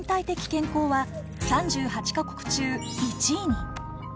健康は３８か国中１位に。